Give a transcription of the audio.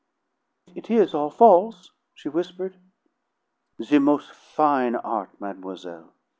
"It is all false?" she whispered. "The mos' fine art, mademoiselle.